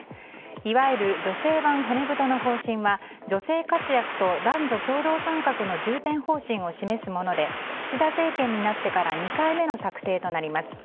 いわゆる女性版骨太の方針は女性活躍と男女共同参画の重点方針を示すもので岸田政権になってから２回目の策定となります。